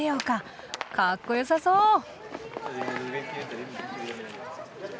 かっこよさそう！